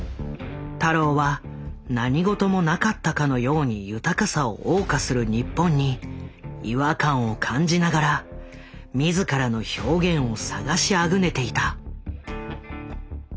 太郎は何事もなかったかのように豊かさを謳歌する日本に違和感を感じながら自らの表現を探しあぐねていた。